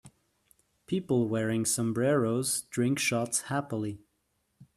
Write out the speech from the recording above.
People wearing sombreros drink shots happily.